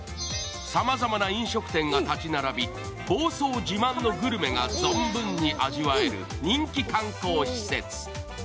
さまざまな飲食店が立ち並び、房総自慢のグルメが存分に味わえる人気観光施設。